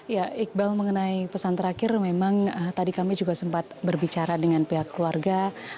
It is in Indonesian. ya iqbal mengenai pesan terakhir memang tadi kami juga sempat berbicara dengan pihak keluarga